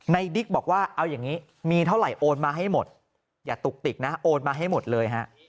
ดิ๊กบอกว่าเอาอย่างนี้มีเท่าไหร่โอนมาให้หมดอย่าตุกติกนะโอนมาให้หมดเลยฮะ